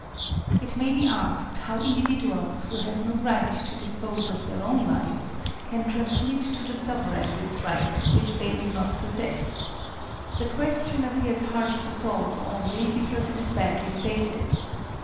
It may be asked how individuals who have no right to dispose of their own lives can transmit to the sovereign this right which they do not possess. The question appears hard to solve only because it is badly stated.